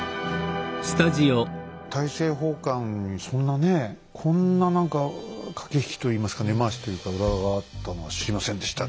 大政奉還にそんなねこんな何か駆け引きといいますか根回しというか裏があったのは知りませんでしたね。